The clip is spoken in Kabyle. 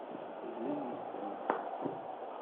Teglamt yes-sent.